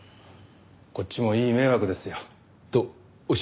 こっちもいい迷惑ですよ。とおっしゃいますと？